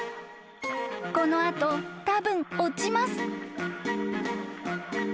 ［この後たぶん落ちます］